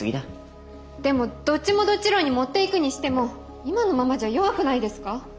でもどっちもどっち論に持っていくにしても今のままじゃ弱くないですか？